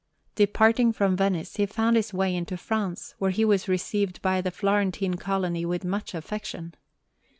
Departing from Venice, he found his way into France, where he was received by the Florentine colony with much affection.